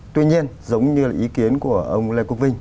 tuy nhiên giống như là ý kiến của ông lê quốc vinh